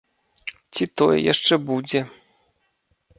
Ці тое яшчэ будзе!